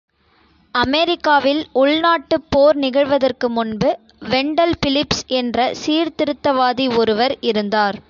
அமெரிக்காவில் உள்நாட்டுப் போர் நிகழ்வதற்கு முன்பு, வெண்டல் பிலிப்ஸ் என்ற சீர்திருத்தவாதி ஒருவர் இருந்தார்.